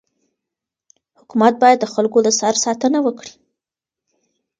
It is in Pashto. حکومت باید د خلکو د سر ساتنه وکړي.